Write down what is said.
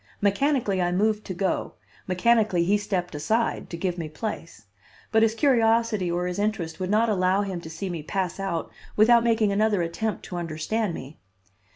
Mechanically I moved to go, mechanically he stepped aside to give me place. But his curiosity or his interest would not allow him to see me pass out without making another attempt to understand me.